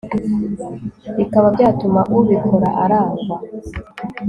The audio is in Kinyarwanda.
bikaba byatuma ubikora arangwa